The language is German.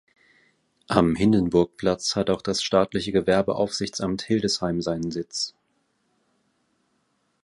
Am Hindenburgplatz hat auch das Staatliche Gewerbeaufsichtsamt Hildesheim seinen Sitz.